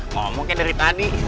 ngomong kayak dari tadi